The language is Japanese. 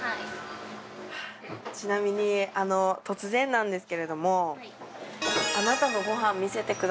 ちなみにあの突然なんですけれども。